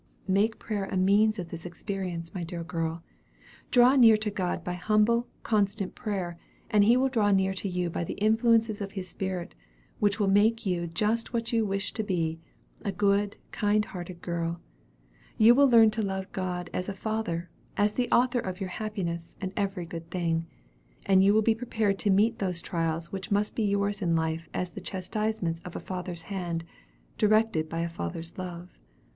"Make prayer a means of this experience, my dear girl. Draw near to God by humble, constant prayer, and He will draw near to you by the influences of His spirit, which will make you just what you wish to be, a good, kind hearted girl. You will learn to love God as a father, as the author of your happiness and every good thing. And you will be prepared to meet those trials which must be yours in life as the 'chastisements of a Father's hand, directed by a Father's love.'